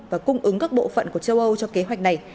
và cung ứng các bộ phận của châu âu cho kế hoạch này